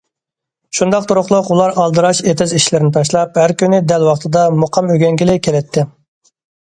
شۇنداق تۇرۇقلۇق ئۇلار ئالدىراش ئېتىز ئىشلىرىنى تاشلاپ، ھەر كۈنى دەل ۋاقتىدا مۇقام ئۆگەنگىلى كېلەتتى.